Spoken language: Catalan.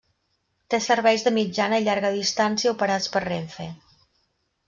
Té serveis de mitjana i llarga distància operats per Renfe.